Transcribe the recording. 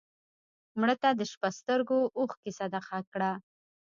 مړه ته د شپه سترګو اوښکې صدقه کړه